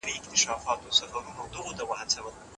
د انسان ارواپوهنه ډېره پېچلې ده.